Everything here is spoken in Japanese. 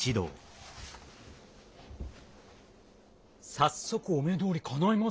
早速お目通りかないますね。